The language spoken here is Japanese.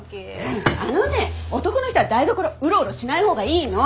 あのね男の人は台所うろうろしない方がいいの！